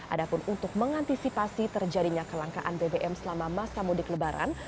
ada pun untuk mengantisipasi terjadinya kelangkaan bbm selama masa mudik lebaran